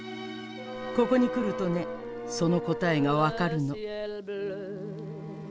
ここに来るとねその答えがわかるの。